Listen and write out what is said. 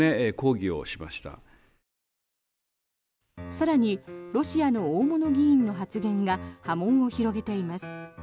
更に、ロシアの大物議員の発言が波紋を広げています。